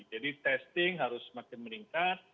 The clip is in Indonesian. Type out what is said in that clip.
jadi testing harus semakin meningkat